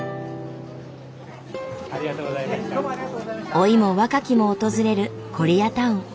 老いも若きも訪れるコリアタウン。